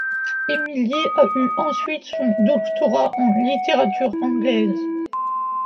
Emily a eu ensuite son doctorat en littérature anglaise.